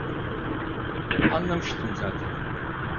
Anlamıştım zaten.